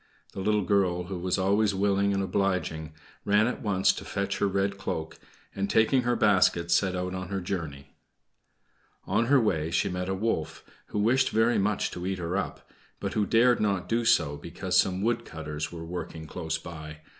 The little girl, who was always willing and obliging, ran at once to fetch her red cloak, and, taking her basket, set out on her journey. On her way she met a wolf, who wished very much to eat her up; but who dared not do so because some wood cutters were working close by.